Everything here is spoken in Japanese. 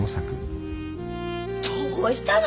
どうしたの？